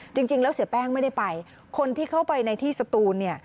จริงแล้วเสียแป้งไม่ได้ไปคนที่เข้าไปในที่สตูนเนี่ย